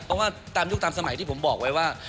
เพราะว่าตามยุคตามสมัยที่ผมบอกไว้ว่า